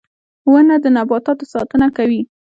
• ونه د نباتاتو ساتنه کوي.